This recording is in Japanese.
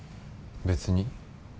別に。